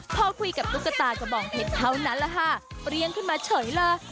พอคุยกับตุ๊กตากระบองเห็ดเท่านั้นแหละค่ะเปรี้ยงขึ้นมาเฉยเลย